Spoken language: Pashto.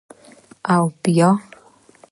_اوبيا؟